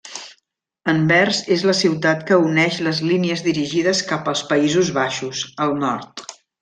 Anvers és la ciutat que uneix les línies dirigides cap als Països Baixos, al nord.